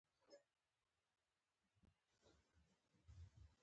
مترادف ويونه يوه غني کوونکې پدیده